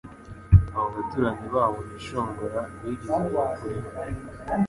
abo abaturanyi babo bishongora bigizaga kure.